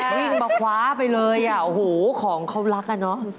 วิ่งมาคว้าไปเลยของเขารักน่ะเนอะ